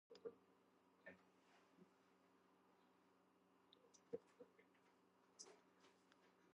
ზეთისხილის რტოები მშვიდობის სიმბოლოა, მსოფლიოს რუკა კი გამოხატავს ყველა ერს.